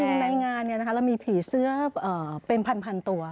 จริงในงานนี่นะคะแล้วมีผีเสื้อเป็นพันตัว